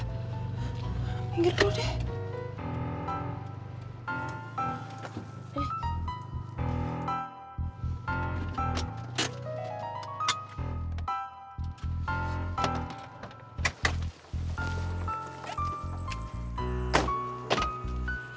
pinggir dulu deh